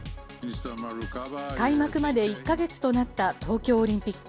開幕まで１か月となった東京オリンピック。